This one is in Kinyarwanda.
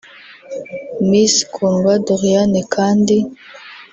Miss Kundwa Doriane kandi